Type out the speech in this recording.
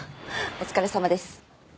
お疲れさまです。